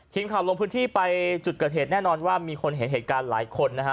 ทีมข่าวลงพื้นที่ไปจุดเกิดเหตุแน่นอนว่ามีคนเห็นเหตุการณ์หลายคนนะฮะ